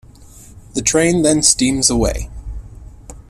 The train then steams away.